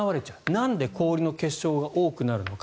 なんで氷の結晶が多くなるのか。